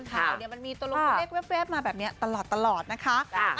ข่าวนี้มันมีตลกเล็กมาแบบนี้ตลอดนะคะ